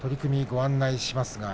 ご案内します。